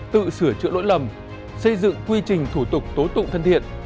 tự sửa chữa lỗi lầm xây dựng quy trình thủ tục tố tụng thân thiện